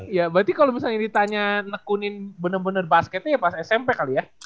iya berarti kalo misalnya ditanya nekunin bener bener basketnya ya pas smp kali ya